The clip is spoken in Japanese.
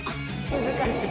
難しい。